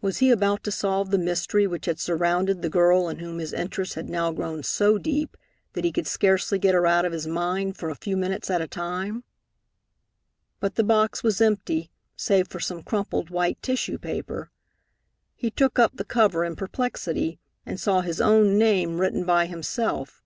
Was he about to solve the mystery which had surrounded the girl in whom his interest had now grown so deep that he could scarcely get her out of his mind for a few minutes at a time? But the box was empty, save for some crumpled white tissue paper. He took up the cover in perplexity and saw his own name written by himself.